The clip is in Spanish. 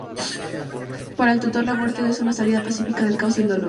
Para el autor, la muerte es una salida pacífica del caos y el dolor.